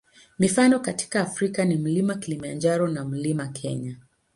Mifano katika Afrika ni Mlima Kilimanjaro na Mlima Kenya.